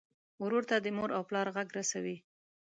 ورور ته د مور او پلار غږ رسوې.